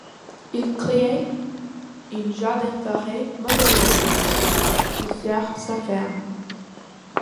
Il créa un jardin-forêt modèle de sur sa ferme.